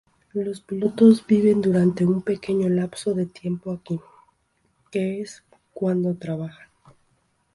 Los pilotos viven durante un pequeño lapso de tiempo aquí, que es cuando trabajan.